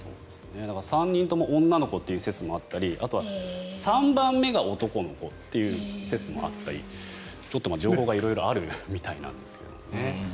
３人とも女の子という説もあったり３番目が男の子という説もあったりちょっと情報が色々あるみたいなんですけど。